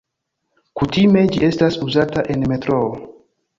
Kutime ĝi estas uzata en metroo.